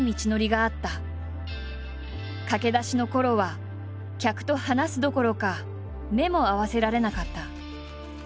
駆け出しのころは客と話すどころか目も合わせられなかった。